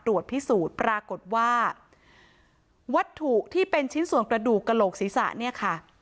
ตรวจพิสูจน์ปรากฏว่าวัตถุที่เป็นชิ้นส่วนกระดูกกระโหลกศีรษะเนี่ยค่ะ